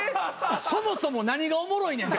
「そもそも何がおもろいねん」